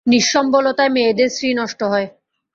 নিঃসস্বলতায় মেয়েদের শ্রী নষ্ট হয়।